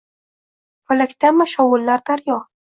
Falakdami shovullar daryo?